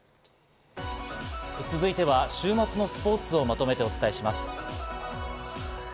続いては週末のスポーツをまとめてお伝えします。